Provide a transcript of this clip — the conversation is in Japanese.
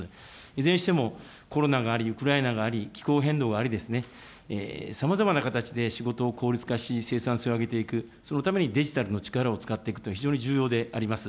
いずれにしても、コロナがあり、ウクライナがあり、気候変動がありですね、さまざまな形で仕事を効率化し、生産性を上げていく、そのためにデジタルの力を使っていくというのは非常に重要であります。